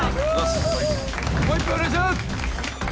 もう一本お願いします！